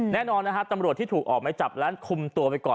แน่นอนนะฮะตำรวจที่ถูกออกไม้จับและคุมตัวไปก่อน